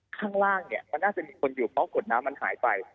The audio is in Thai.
ข้างล่างเนี่ยมันน่าจะมีคนอยู่เพราะกดน้ำมันหายไป